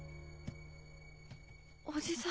おじさん。